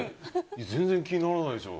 全然気にならないでしょ。